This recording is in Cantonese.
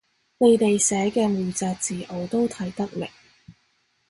你哋寫嘅每隻字我都睇得明